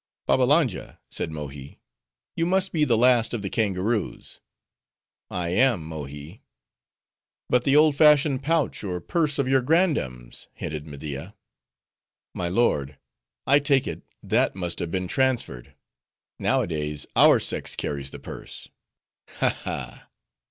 "Babbalanja," said Mohi, "you must be the last of the kangaroos." "I am, Mohi." "But the old fashioned pouch or purse of your grandams?" hinted Media. "My lord, I take it, that must have been transferred; nowadays our sex carries the purse." "Ha, ha!"